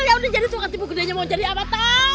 kalau dia jadi tukang tipu gedenya mau jadi apa tau